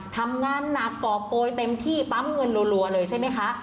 ทำงานหนักกรอบโกยเต็มที่ปั๊มเงินรัวเลยใช่ไหมคะ